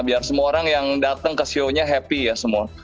biar semua orang yang datang ke show nya happy ya semua